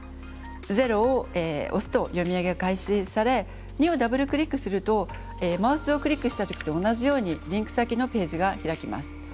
０を押すと読み上げが開始され２をダブルクリックするとマウスをクリックした時と同じようにリンク先のページが開きます。